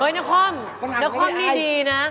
เออนัคมนัคมนี่ดีนะ